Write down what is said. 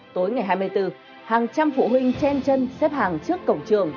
tối ngày hai mươi bốn hàng trăm phụ huynh chen chân xếp hàng trước cổng trường